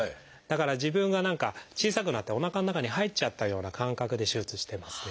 だから自分が何か小さくなっておなかの中に入っちゃったような感覚で手術してますね。